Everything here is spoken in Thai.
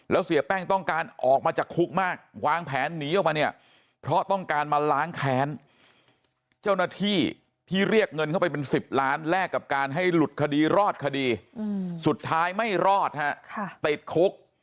แล้วเสียแป้งต้องการออกมาจากคุกมากวางแผนหนีออกมาเนี่ยเพราะต้องการมาล้างแค้นเจ้าหน้าที่ที่เรียกเงินเข้าไปเป็น๑๐ล้านแลกกับการให้หลุดคดีรอดคดีสุดท้ายไม่รอดฮะติดคุก